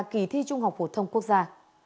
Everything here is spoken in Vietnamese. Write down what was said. kỳ thi trung học phổ thông quốc gia